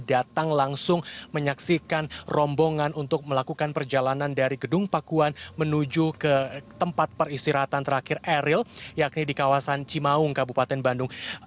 datang langsung menyaksikan rombongan untuk melakukan perjalanan dari gedung pakuan menuju ke tempat peristirahatan terakhir eril yakni di kawasan cimaung kabupaten bandung